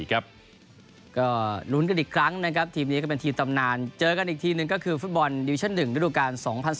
ก็ลุ้นกันอีกครั้งนะครับทีมนี้ก็เป็นทีมตำนานเจอกันอีกทีหนึ่งก็คือฟุตบอลดิวิชั่น๑ฤดูการ๒๐๑๙